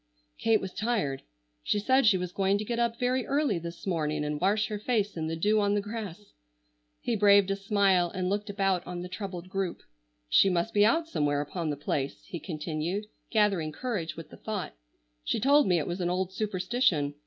"Kate was tired. She said she was going to get up very early this morning and wash her face in the dew on the grass." He braved a smile and looked about on the troubled group. "She must be out somewhere upon the place," he continued, gathering courage with the thought; "she told me it was an old superstition.